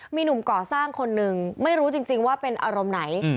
มีหนุ่มก่อสร้างคนหนึ่งไม่รู้จริงว่าเป็นอารมณ์ไหน